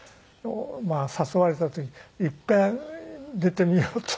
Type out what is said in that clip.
まあ誘われた時いっぺん出てみようと。